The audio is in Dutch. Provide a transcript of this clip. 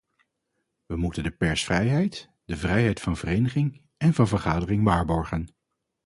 We moeten de persvrijheid, de vrijheid van vereniging en van vergadering waarborgen.